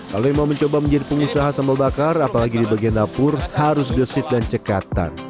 kalau yang mau mencoba menjadi pengusaha sambal bakar apalagi di bagian dapur harus gesit dan cekatan